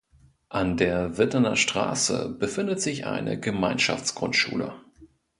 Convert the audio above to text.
An der Wittener Straße befindet sich eine Gemeinschaftsgrundschule.